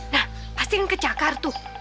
nah pasti kan kecakar tuh